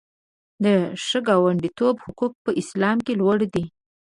د ښه ګاونډیتوب حقوق په اسلام کې لوړ دي.